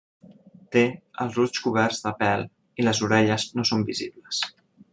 Té els ulls coberts de pèl i les orelles no són visibles.